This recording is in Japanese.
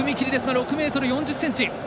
６ｍ４０ｃｍ。